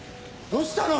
どうしたの？